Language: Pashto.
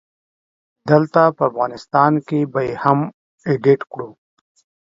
دلته په افغانستان کې به يې هم اډيټ کړو